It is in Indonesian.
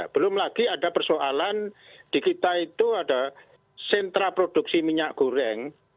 belum lagi ada persoalan di kita itu ada sentra produksi minyak goreng